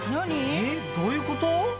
えっどういうこと？